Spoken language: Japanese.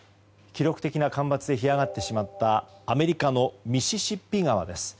記録的な干ばつで干上がってしまったアメリカのミシシッピ川です。